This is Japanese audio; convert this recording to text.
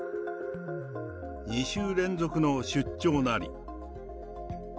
２週連続の出張なり。